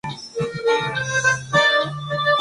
Autovía del Norte de Madrid a Irún, salida en Km.